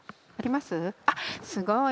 あっすごい。